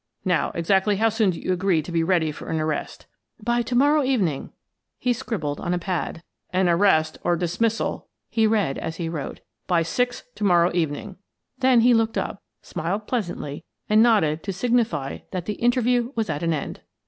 Now, exactly how soon do you agree to be ready for an arrest ?"" By to morrow evening." He scribbled on a pad. 88 Miss Frances Baird, Detective " An arrest or dismissal/' he read as he wrote, " by six to morrow evening/' Then he looked up, smiled pleasantly, and nodded to signify that the interview was at an end.